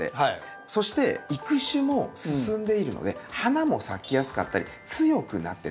そして育種も進んでいるので花も咲きやすかったり強くなってたりするんですよ。